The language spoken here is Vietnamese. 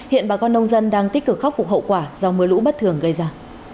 hiện bà con nông dân đang tích cực khắc phục hậu quả do mưa lũ bất thường gây ra